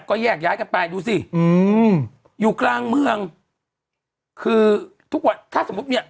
ก็แยกย้ายกันไปดูสิอืมอยู่กลางเมืองคือทุกวันถ้าสมมุติเนี้ย